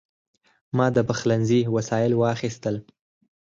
ما د پخلنځي وسایل واخیستل.